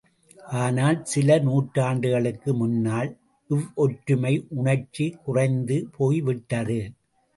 ஆனால், சில நூற்றாண்டுகளுக்கு முன்னால் இவ்வொற்றுமை உணர்ச்சி குறைந்து போய்விட்டது.